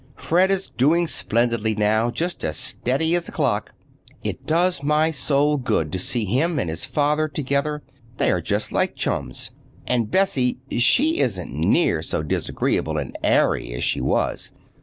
Fred is doing splendidly now, just as steady as a clock. It does my soul good to see him and his father together. They are just like chums. And Bessie—she isn't near so disagreeable and airy as she was.